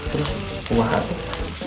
tuh mau makan